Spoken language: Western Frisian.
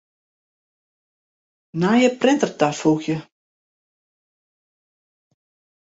Nije printer tafoegje.